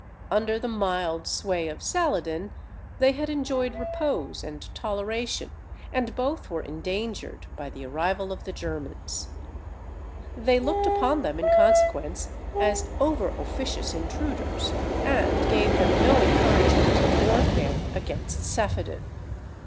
Under the mild sway of Saladin, they had enjoyed repose and toleration, and both were endangered by the arrival of the Germans. They looked upon them in consequence as over officious intruders, and gave them no encouragement in the warfare against Saphaddin.